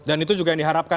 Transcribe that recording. dan itu juga yang diharapkan